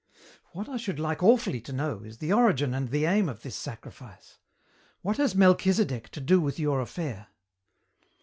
"What I should like awfully to know is the origin and the aim of this sacrifice. What has Melchisedek to do with your affair?"